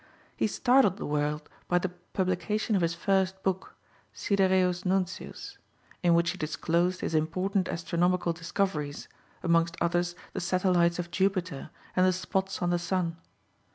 He startled the world by the publication of his first book, Sidereus Nuntius, in which he disclosed his important astronomical discoveries, amongst others the satellites of Jupiter and the spots on the sun.